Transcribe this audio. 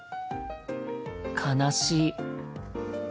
悲しい。